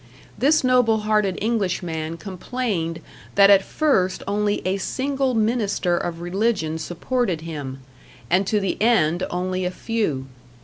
This noble hearted Englishman complained that at first only a single minister of religion supported him, and to the end only a few.